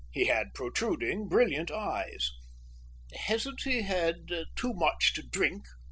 He had protruding, brilliant eyes. "Hasn't he had too much to drink?"